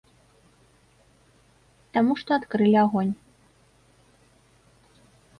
Таму што адкрылі агонь.